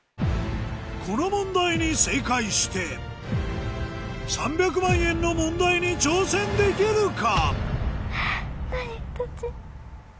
この問題に正解して３００万円の問題に挑戦できるか？